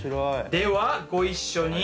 ではご一緒に。